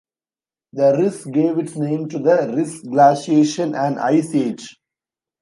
The Riss gave its name to the Riss glaciation, an ice age.